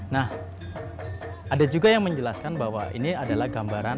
nah ada juga yang menjelaskan bahwa ini adalah gambaran